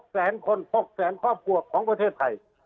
แสนคน๖แสนครอบครัวของประเทศไทย